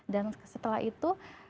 dan setelah itu